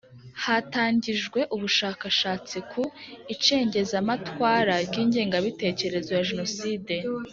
Hatangijwe ubushakashatsi ku Icengezamatwara ry ingengabitekerezo ya Jenoside